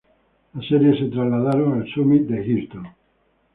Las series se trasladaron al Summit de Houston.